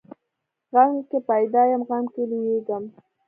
غم کې پیدا یم، غم کې لویېږم.